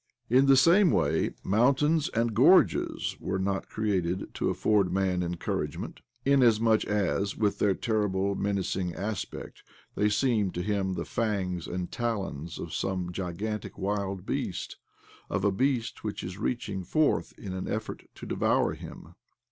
In the same way, mountains and ,^c»rges> were not created to afford man encourage ment, inasmuch as, with their terrible, menacing aspect, they seem to him the fangs and talons of some gigantic wild beast — of a beast which is reaching forth in an efifort to devour him.